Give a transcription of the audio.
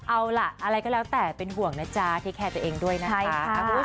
เอาล่ะอะไรก็แล้วแต่เป็นห่วงนะจ๊ะเทคแคร์ตัวเองด้วยนะคะ